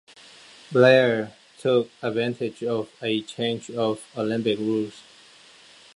Blair took advantage of a change of Olympic rules.